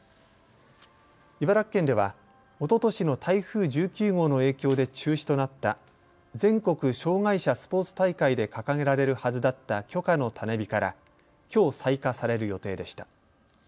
茨城県ではおととしの台風１９号の影響で中止となった全国障害者スポーツ大会で掲げられるはずだった炬火の種火からきょう採火される予定でした。